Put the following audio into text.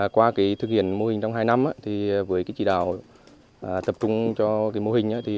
qua thực hiện mô hình trong hai năm với chỉ đạo tập trung cho mô hình